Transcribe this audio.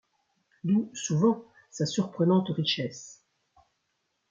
D'où, souvent, sa surprenante richesse.